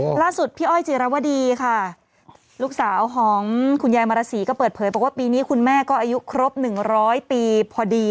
ล่าสุดพี่อ้อยจิรวดีค่ะลูกสาวของคุณยายมารสีก็เปิดเผยบอกว่าปีนี้คุณแม่ก็อายุครบหนึ่งร้อยปีพอดี